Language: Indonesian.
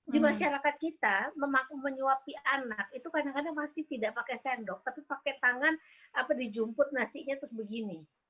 di masyarakat kita menyuapi anak itu kadang kadang masih tidak pakai sendok tapi pakai tangan apa dijumput nasinya terus begini